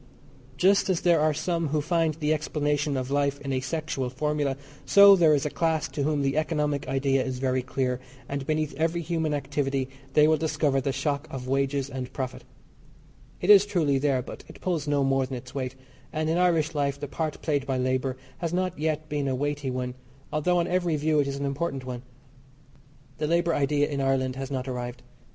Just as there are some who find the explanation of life in a sexual formula, so there is a class to whom the economic idea is very dear, and beneath every human activity they will discover the shock of wages and profit. It is truly there, but it pulls no more than its weight, and in Irish life the part played by labour has not yet been a weighty one; although on every view it is an important one. The labour idea in Ireland has not arrived.